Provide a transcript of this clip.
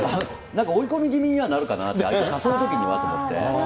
なんか、追い込み気味にはなるかなぁって、誘うときにはと思って。